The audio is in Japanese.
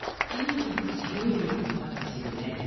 かなり強い言葉ですよね。